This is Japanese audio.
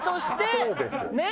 そうです。